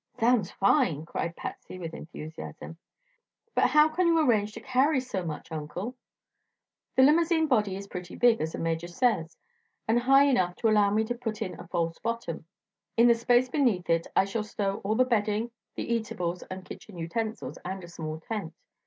"Sounds fine!" cried Patsy with enthusiasm. "But how can you arrange to carry so much, Uncle?" "The limousine body is pretty big, as the Major says, and high enough to allow me to put in a false bottom. In the space beneath it I shall stow all the bedding, the eatables and kitchen utensils, and a small tent.